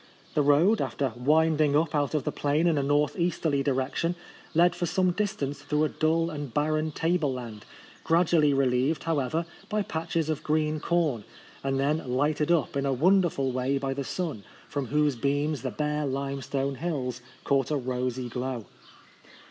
The road, after winding up out of the plain in a north easterly direction, led for some distance through a dull and barren table land, gradu ally relieved, however, by patches of green corn, and then lighted up in a wonderful way by the sun, from whose beams the bare lime stone hills caught a rosy glow.